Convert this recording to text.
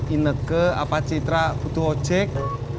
ineke apa citra butuh ojek